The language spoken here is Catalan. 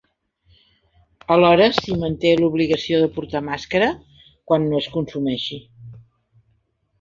Alhora, s’hi manté l’obligació de portar màscara quan no es consumeixi.